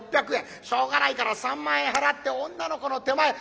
しょうがないから３万円払って女の子の手前